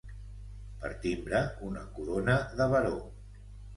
Per timbre una corona de baró.